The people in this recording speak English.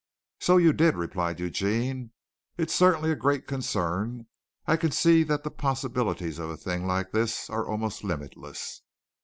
"So you did," replied Eugene. "It certainly is a great concern. I can see that the possibilities of a thing like this are almost limitless."